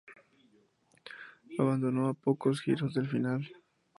Abandonó a pocos giros del final.